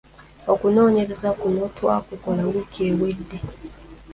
Okunoonoonyereza kuno twakukola wiki ewedde.